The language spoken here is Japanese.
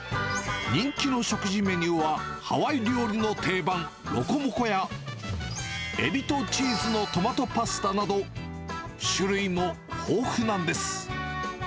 人気の食事メニューは、ハワイ料理の定番、ロコモコや、エビとチーズのトマトパスタなど、種類も豊富なんです。